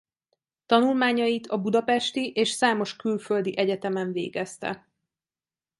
Tanulmányait a budapesti és számos külföldi egyetemen végezte.